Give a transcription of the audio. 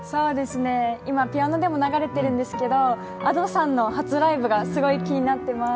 今、ピアノでも流れてるんですがＡｄｏさんの初ライブがすごい気になってます。